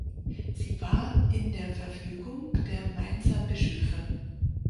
Sie war „in der Verfügung“ der Mainzer Bischöfe.